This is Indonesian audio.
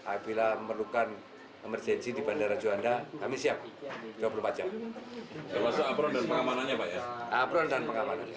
apabila memerlukan emergensi di bandara juanda kami siap dua puluh empat jam